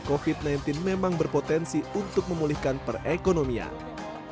covid sembilan belas memang berpotensi untuk memulihkan perekonomian